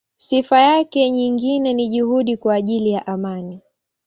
Sifa yake nyingine ni juhudi kwa ajili ya amani.